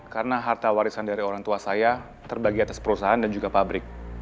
karena harta warisan dari orang tua saya terbagi atas perusahaan dan juga pabrik